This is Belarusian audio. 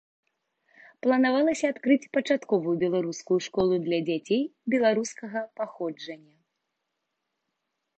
Планавалася адкрыць пачатковую беларускую школу для дзяцей беларускага паходжання.